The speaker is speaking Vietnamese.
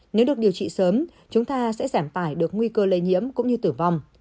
nếu được điều trị sớm chúng ta sẽ giảm tải được nguy cơ lây nhiễm cũng như tử vong